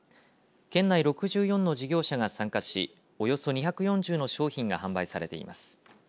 県内６４の事業者が参加しおよそ２４０の商品が販売されています。